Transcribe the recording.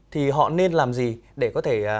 thì họ nên làm gì để có thể